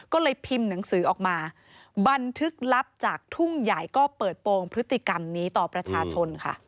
ก็เลยพิมพ์หนังสือออกมาบันทึกลับจากทุ่งใหญ่ก็เปิดโปรงพฤติกรรมนี้ต่อประชาชนค่ะ